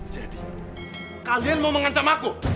jadi kalian mau mengancam aku